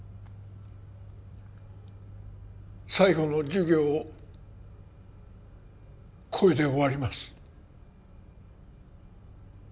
最後の授業をこれで終わります